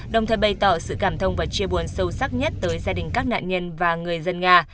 đồng thời bày tỏ sự cảm thông và chia buồn sâu sắc nhất tới gia đình các nạn nhân và người dân nga